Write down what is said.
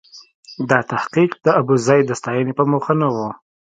دا تحقیق د ابوزید د ستاینې په موخه نه و.